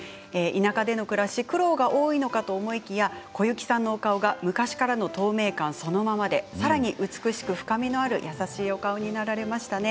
田舎での暮らし、苦労が多いのかと思いきや小雪さんのお顔が昔からの透明感そのままでさらに美しく深みのある優しいお顔になられましたね。